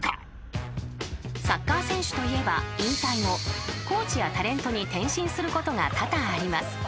［サッカー選手といえば引退後コーチやタレントに転身することが多々あります］